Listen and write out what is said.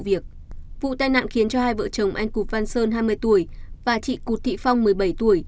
vụ tai nạn khiến hai vợ chồng anh cụt văn sơn hai mươi tuổi và chị cụt thị phong một mươi bảy tuổi